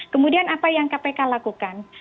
kemudian apa yang kpk lakukan